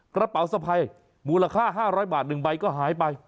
กระเป๋าสะพายมูลค่า๕๐๐บาท๑ใบก็หายไป